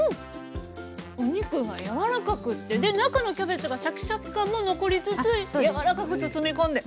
お肉が柔らかくって中のキャベツがシャキシャキ感も残りつつ柔らかく包み込んで。